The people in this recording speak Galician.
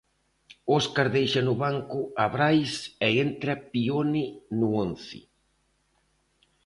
Óscar deixa no banco a Brais e entra Pione no once.